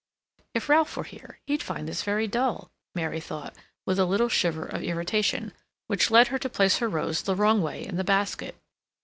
"If Ralph were here, he'd find this very dull," Mary thought, with a little shiver of irritation, which led her to place her rose the wrong way in the basket.